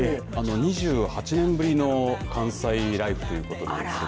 ２８年ぶりの関西ライフということです。